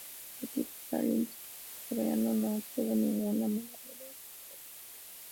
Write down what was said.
El equipo paralímpico surcoreano no obtuvo ninguna medalla en estos Juegos.